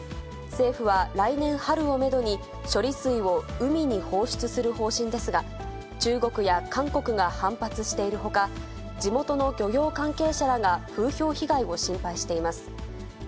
政府は来年春をメドに、処理水を海に放出する方針ですが、中国や韓国が反発しているほか、地元の漁業関係者らが風評被害を心配しています。